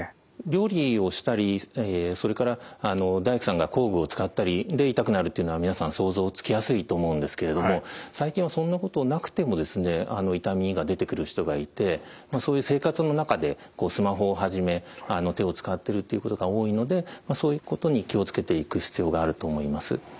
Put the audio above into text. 料理をしたりそれから大工さんが工具を使ったりで痛くなるというのは皆さん想像つきやすいと思うんですけれども最近はそんなことなくても痛みが出てくる人がいてそういう生活の中でスマホをはじめ手を使ってるということが多いのでそういうことに気を付けていく必要があると思います。